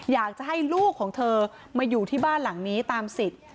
อยากจะให้ลูกของเธอมาอยู่ที่บ้านหลังนี้ตามสิทธิ์